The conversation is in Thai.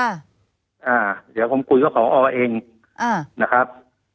อ่าเดี๋ยวผมคุยกับพอเองอ่านะครับ